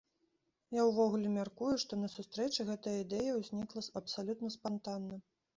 Я ўвогуле мяркую, што на сустрэчы гэтая ідэя ўзнікла абсалютна спантанна.